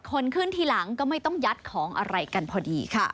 คนขึ้นทีหลังก็ไม่ต้องยัดของอะไรกันพอดีค่ะ